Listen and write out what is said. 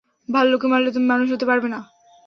ভালুককে মারলে তুমি মানুষ হতে পারবে না।